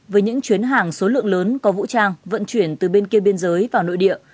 với những chuyến hàng số lượng lớn có vũ trang vận chuyển từ bên kia biên giới vào nội địa